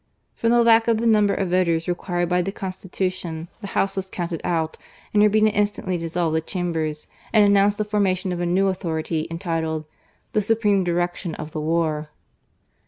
From the lack of the number of voters required by the Constitution, the House was counted out, and Urbina instantly dissolved the Chambers and announced the formation of a new authority entitled " The Supreme Direction of the War."